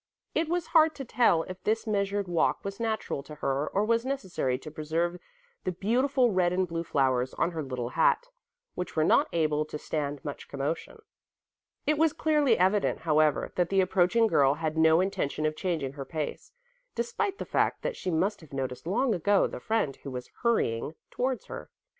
It was hard to tell if this measured walk was natural to her or was necessary to preserve the beautiful red and blue flowers on her little hat, which were not able to stand much commotion. It was clearly evident, however, that the approaching girl had no intention of changing her pace, despite the fact that she must have noticed long ago the friend who was hurrying towards her.